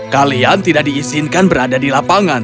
kalian tidak diizinkan berada di lapangan